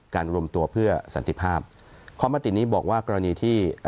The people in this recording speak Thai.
รวมตัวเพื่อสันติภาพความมตินี้บอกว่ากรณีที่